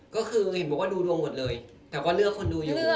ก็คือเห็นบอกว่าดูดวงหมดเลยแต่ก็เลือกคนดูอยู่